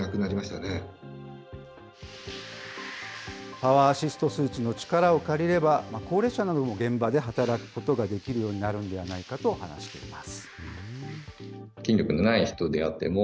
パワーアシストスーツの力を借りれば、高齢者なども現場で働くことができるようになるんじゃないかと話しています。